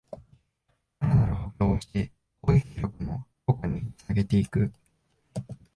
さらなる補強をして攻撃力の強化につなげていく